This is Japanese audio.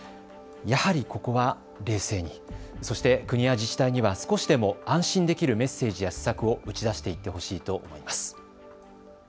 やはりここは冷静に、そして国や自治体には少しでも安心できるメッセージや施策を打ち出していってほしいと思います。